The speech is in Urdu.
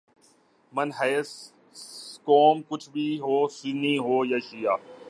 من حیثء قوم کچھ بھی ہو، سنی ہو یا شعیہ